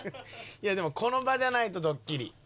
いやでもこの場じゃないとドッキリ。